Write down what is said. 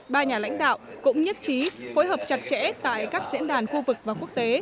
ba nhà lãnh đạo cũng nhất trí phối hợp chặt chẽ tại các diễn đàn khu vực và quốc tế